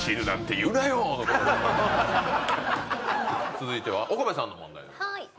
続いては岡部さんの問題でございます。